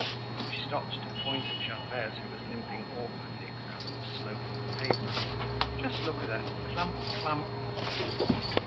She stopped to point at Gervaise, who was limping awkwardly because of the slope of the pavement. "Just look at her. Clump clump."